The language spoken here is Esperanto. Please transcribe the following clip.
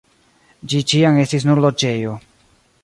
Ĝi ĉiam estis nur loĝejo.